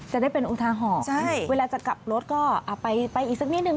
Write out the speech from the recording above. จะได้เป็นอุทาหรณ์เวลาจะกลับรถก็ไปอีกสักนิดนึง